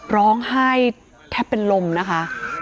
ร้องไห้แทบเป็นลมนะคะ